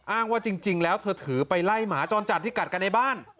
ว่าจริงแล้วเธอถือไปไล่หมาจรจัดที่กัดกันในบ้าน